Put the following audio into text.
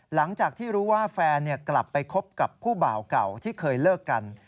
หลังจากที่รู้ว่าแฟนกลับไปคบกับผู้บ่าวเก่าที่เคยเลิกกัน